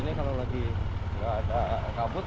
ini kalau lagi ada kabut